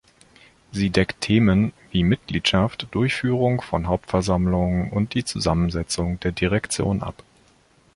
Sie deckt Themen wie Mitgliedschaft, Durchführung von Hauptversammlungen und die Zusammensetzung der Direktion ab.